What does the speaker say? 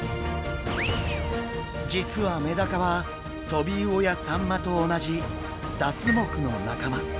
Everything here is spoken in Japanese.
実はメダカはトビウオやサンマと同じダツ目の仲間。